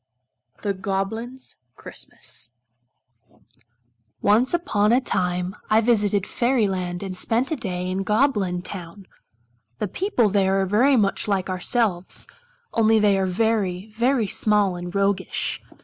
1908 Preface Once upon a time I visited Fairy land and spent a day in Goblin town. The people there are much like ourselves, only they are very, very small and roguish.